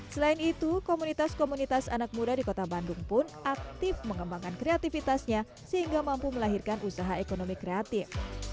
selain itu komunitas komunitas anak muda di kota bandung pun aktif mengembangkan kreativitasnya sehingga mampu melahirkan usaha ekonomi kreatif